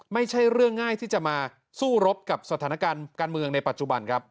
ไม่ใช่เรื่องง่ายที่จะมาสู้รบกับสถานการณ์การเมืองในปัจจุบันครับ